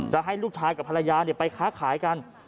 จะให้ลูกชายกับภรรยาไปค้าขายกัน